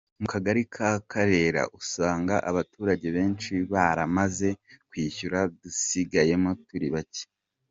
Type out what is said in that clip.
Mu kagari ka Karera usanga abaturage benshi baramaze kwishyurwa dusigayemo turi bacye.